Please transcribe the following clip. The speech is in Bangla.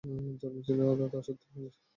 জন্মেছিল আধা-দাসত্বের মাঝে।